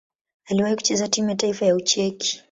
Aliwahi kucheza timu ya taifa ya Ucheki.